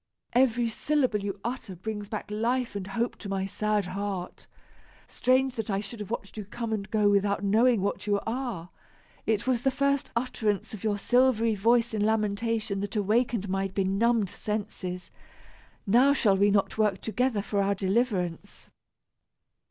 "Every syllable you utter brings back life and hope to my sad heart. Strange that I should have watched you come and go without knowing what you are. It was the first utterance of your silvery voice in lamentation that awakened my benumbed senses. Now, shall we not work together for our deliverance?"